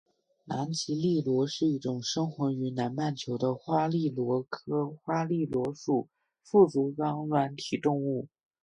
南极笠螺是一种生活于南半球的花笠螺科花笠螺属腹足纲软体动物。